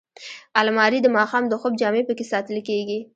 الماري د ماښام د خوب جامې پکې ساتل کېږي